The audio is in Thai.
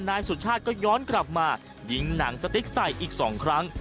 นายสุชาติก็ย้อนกลับมายิงหนังสติ๊กใส่อีก๒ครั้ง